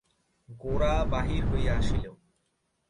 গোরা বাহির হইয়া আসিল।